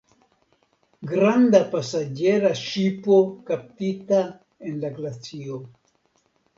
Granda pasaĝera ŝipo kaptita en la glacio.